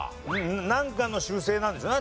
なんかの習性なんでしょうね